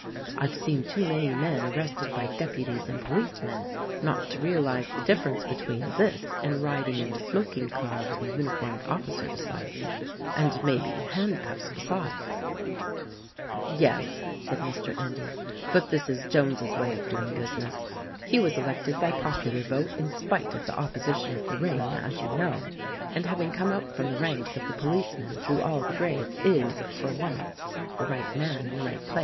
I've seen too many men arrested by deputies and policemen not to realize the difference between this and riding in the smoking car with a uni formed officer beside me — and maybe, handcuffs besides." "Yes," said Mr. Endy; "but this is Jones' way of doing business. He was elected by popular vote in spite of the opposition of the ring, as you know; and, having come up from the ranks of the policemen through all the grades, is, for once, the right man in the right place."